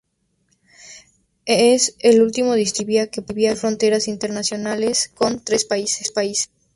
Es el único distrito de Libia que posee fronteras internacionales con tres países.